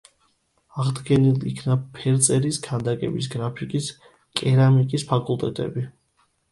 აღდგენილ იქნა ფერწერის, ქანდაკების, გრაფიკის, კერამიკის ფაკულტეტები.